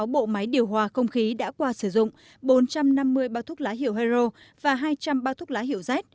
một trăm bốn mươi sáu bộ máy điều hòa không khí đã qua sử dụng bốn trăm năm mươi bao thúc lá hiệu hero và hai trăm linh bao thúc lá hiệu z